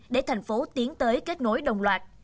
để thành phố tiến tới kết nối đồng loạt